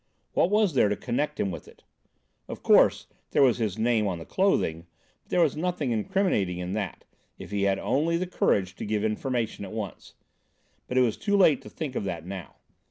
What was there to connect him with it? Of course, there was his name on the clothing, but there was nothing incriminating in that, if he had only had the courage to give information at once. But it was too late to think of that now.